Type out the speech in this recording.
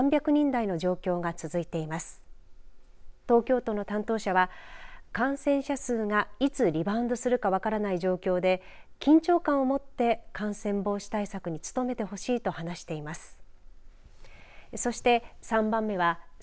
東京都の担当者は、感染者数がいつリバウンドするか分からない状況で緊張感をもって感染防止対策に努めてほしいと話しています。